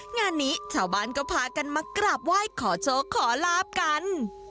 งานนี้ชาวบ้านก็พากันมากราบไหว้ขอโชคขอลาบกัน